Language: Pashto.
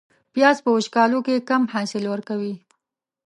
پیاز په وچکالو کې کم حاصل ورکوي